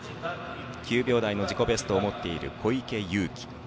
９秒台の自己ベストを持っている小池祐貴。